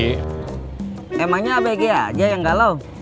emangnya abg aja yang galau